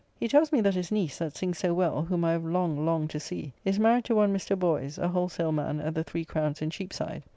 He tells me that his niece, that sings so well, whom I have long longed to see, is married to one Mr. Boys, a wholesale man at the Three Crowns in Cheapside.